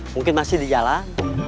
mungkin masih di jalan